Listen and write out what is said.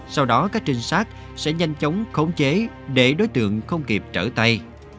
sau đó các trinh sát sẽ nhanh chóng khống chế để đối tượng không kịp trở tay